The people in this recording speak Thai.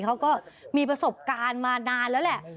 เขาก็มีประสบการณ์มานานแล้วแหละ